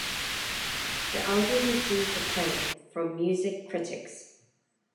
The album received acclaim from music critics.